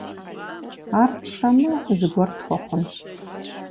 Ар тщэмэ, зыгуэр тхуэхъунщ.